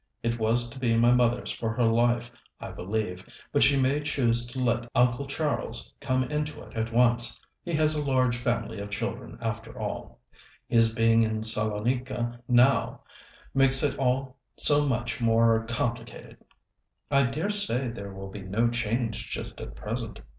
It was to be my mother's for her life, I believe, but she may choose to let Uncle Charles come into it at once. He has a large family of children, after all. His being in Salonika now makes it all so much more complicated." "I dare say there will be no change just at present.